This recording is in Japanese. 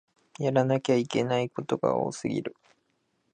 やらなきゃいけないことが多すぎる